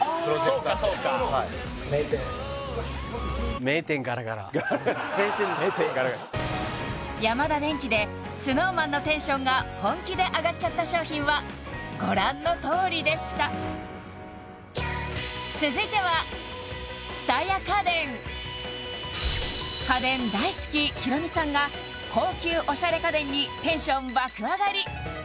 そうかそうかあなるほど閉店です閉店ガラガラヤマダデンキでＳｎｏｗＭａｎのテンションが本気で上がっちゃった商品はご覧のとおりでした続いては蔦屋家電家電大好きヒロミさんがいやヒロミさん